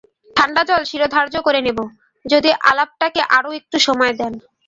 ঠাণ্ডা জল শিরোধার্য করে নেব, যদি আলাপটাকে আরো একটু সময় দেন।